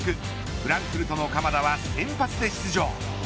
フランクフルトの鎌田は先発で出場。